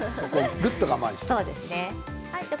ぐっと我慢して。